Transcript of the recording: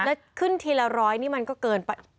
แล้วขึ้นทีละร้อยนี่มันก็เกินไป